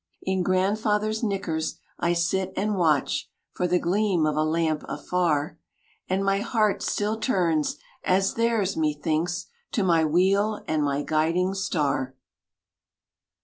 In grandfather's "knickers" I sit and watch For the gleam of a lamp afar; And my heart still turns, as theirs, methinks, To my wheel and my guiding star.